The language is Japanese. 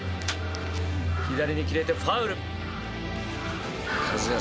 左に切れてファウル。